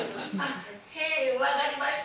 へい分かりました。